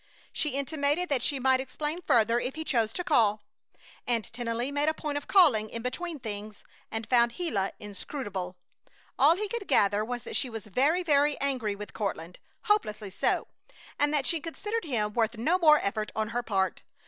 She intimated that she might explain further if he chose to call, and Tennelly made a point of calling in between things, and found Gila inscrutable. All he could gather was that she was very, very angry with Courtland, hopelessly so, and that she considered him worth no more effort on her part.